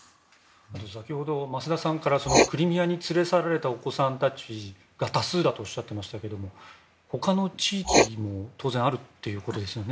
先ほど、増田さんからクリミアに連れ去られたお子さんたちが多数だとおっしゃっていましたが他の地域も当然あるということですよね。